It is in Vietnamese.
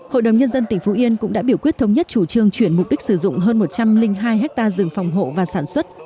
hội đồng nhân dân tỉnh phú yên cũng đã biểu quyết thống nhất chủ trương chuyển mục đích sử dụng hơn một trăm linh hai ha rừng phòng hộ và sản xuất